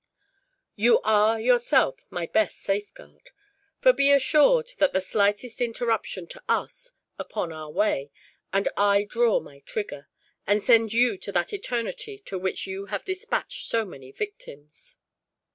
You are, yourself, my best safeguard; for be assured that the slightest interruption to us, upon our way, and I draw my trigger, and send you to that eternity to which you have dispatched so many victims."